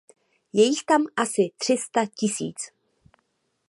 Je jich tam asi tři sta tisíc.